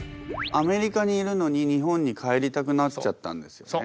アメリカにいるのに日本に帰りたくなっちゃったんですよね。